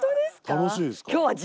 楽しいですか？